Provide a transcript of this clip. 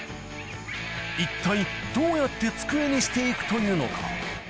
一体どうやって机にしていくというのか。